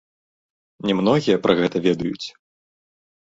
Не многія пра гэта ведаюць.